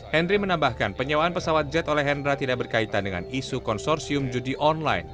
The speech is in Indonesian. henry menambahkan penyewaan pesawat jet oleh hendra tidak berkaitan dengan isu konsorsium judi online